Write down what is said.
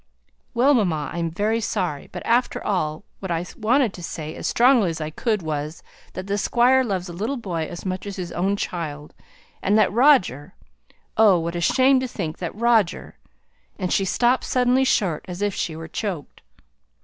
"Well, mamma, I'm very sorry; but after all, what I wanted to say as strongly as I could was, that the Squire loves the little boy as much as his own child; and that Roger oh! what a shame to think that Roger " And she stopped suddenly short, as if she were choked.